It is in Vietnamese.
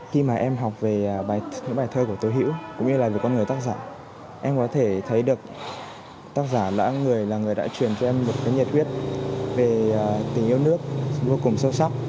khi mà em học về những bài thơ của tố hữu cũng như là về con người tác giả em có thể thấy được tác giả lã người là người đã truyền cho em một cái nhiệt quyết về tình yêu nước vô cùng sâu sắc